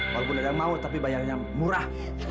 walaupun ada yang mau tapi bayarnya murah